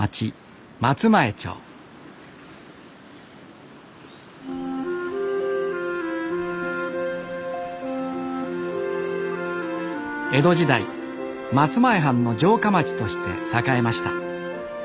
松前町江戸時代松前藩の城下町として栄えました。